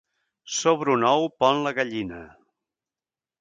Sobre un ou pon la gallina.